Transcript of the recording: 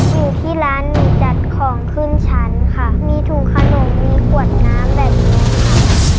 อยู่ที่ร้านหนูจัดของขึ้นชั้นค่ะมีถุงขนมมีขวดน้ำแบบนี้ค่ะ